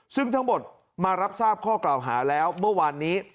ซึ่งทั้งหมดมารับทราบข้อกล่าวหาแล้วเมื่อวานนี้